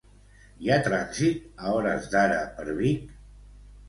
Hi ha trànsit a hores d'ara per Vic?